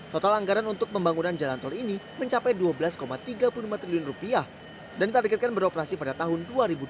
total anggaran untuk pembangunan jalan tol ini mencapai rp dua belas tiga puluh lima triliun dan ditargetkan beroperasi pada tahun dua ribu dua puluh